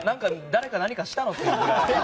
誰か何かしたのってくらい。